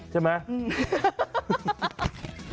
ใช่ไหม